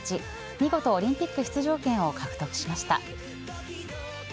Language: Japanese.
見事オリンピック出場権を獲得しました。